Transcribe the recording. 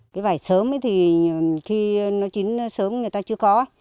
cái vải sớm ấy thì khi nó chín sớm người ta chưa có